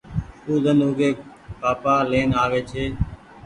او ۮن اوگي پآپآ لين آوي ڇي۔